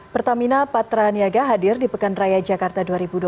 pertamina patra niaga hadir di pekan raya jakarta dua ribu dua puluh